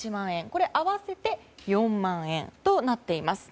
これを合わせて４万円となっています。